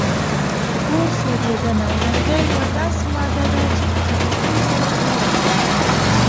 په اور سوځېدنه: لرګي یوه داسې ماده ده چې په چټکۍ سره اور اخلي.